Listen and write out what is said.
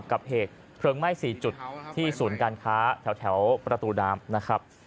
กับเหตุเครื่องไหม้๔จุดที่สูญการค้าแถวประตูดามนะครับ